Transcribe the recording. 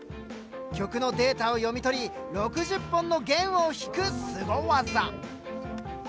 曲のデータを読み取り６０本の弦を弾くすご技。